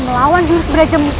melawan jurus berajamusti